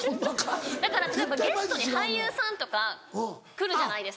だから例えばゲストに俳優さんとか来るじゃないですか。